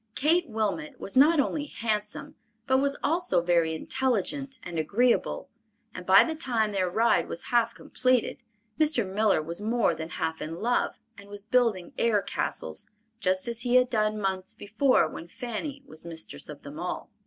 Kate Wilmot was not only handsome, but was also very intelligent and agreeable, and by the time their ride was half completed, Mr. Miller was more than half in love and was building air castles just as he had done months before when Fanny was mistress of them all.